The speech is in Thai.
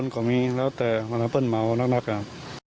ก็เลยทะเลาะกัน